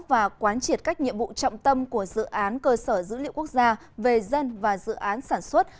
và quán triệt các nhiệm vụ trọng tâm của dự án cơ sở dữ liệu quốc gia về dân và dự án sản xuất